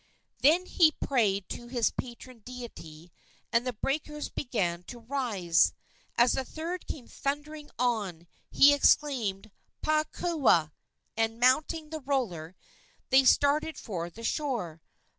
Then he prayed to his patron deity, and the breakers began to rise. As the third came thundering on, he exclaimed, "Pae kaua!" and, mounting the roller, they started for the shore.